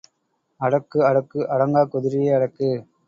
அடக்கு அடக்கு அடங்காக் குதிரையை அடக்கு!.